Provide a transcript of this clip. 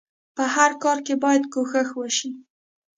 په هر کار کې بايد کوښښ وشئ.